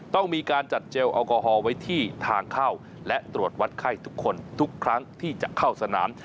ต้องมีการจัดเจลแอลกอฮอลไว้ที่ทางเข้าและตรวจวัดไข้ทุกคนทุกครั้งที่จะเข้าสนาม